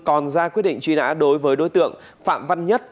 còn ra quyết định truy nã đối với đối tượng phạm văn nhất